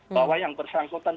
bahwa yang bersangkutan